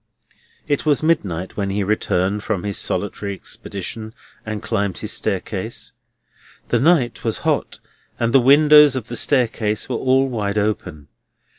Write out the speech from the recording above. It was midnight when he returned from his solitary expedition and climbed his staircase. The night was hot, and the windows of the staircase were all wide open.